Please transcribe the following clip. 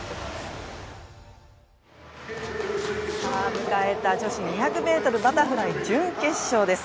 迎えた女子２００ｍバタフライ準決勝です。